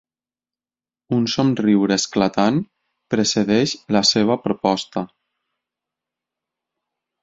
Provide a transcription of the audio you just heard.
Un somriure esclatant precedeix la seva proposta.